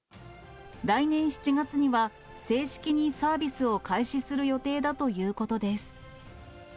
来年７月には、正式にサービスを開始する予定だということです。